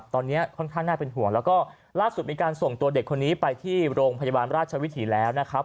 ตอนนี้ค่อนข้างน่าเป็นห่วงแล้วก็ล่าสุดมีการส่งตัวเด็กคนนี้ไปที่โรงพยาบาลราชวิถีแล้วนะครับ